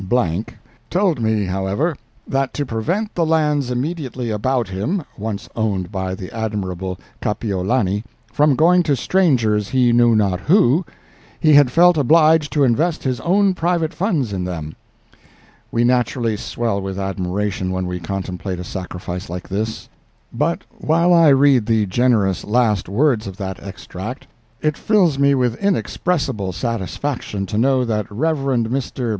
_____ told me, however, that to prevent the lands immediately about him, once owned by the admirable Kapiolani, from going to strangers he knew not who, he had felt obliged to invest his own private funds in them." We naturally swell with admiration when we contemplate a sacrifice like this. But while I read the generous last words of that extract, it fills me with inexpressible satisfaction to know that the Rev. Mr.